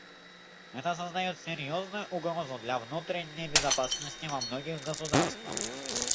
Это создает серьезную угрозу для внутренней безопасности во многих государствах.